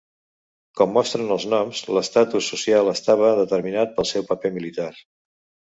Com mostren els noms, l'estatus social estava determinat pel seu paper militar.